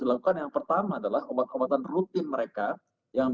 dilakukan yang pertama adalah obat obatan rutin mereka yang